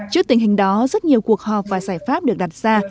trước tình hình đó rất nhiều cuộc họp và giải pháp được đặt ra